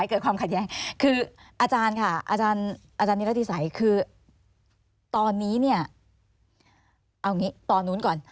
เอาอังงี้ตอนนู้นก่อน